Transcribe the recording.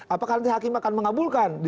apakah nanti hakim akan mengabulkan